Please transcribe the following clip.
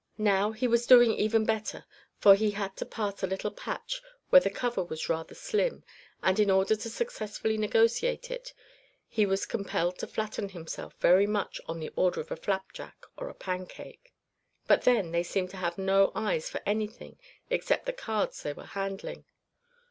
Now he was doing even better, for he had to pass a little patch where the cover was rather slim and in order to successfully negotiate it he was compelled to flatten himself very much on the order of a flapjack or a pancake. But then, they seemed to have no eyes for anything except the cards they were handling.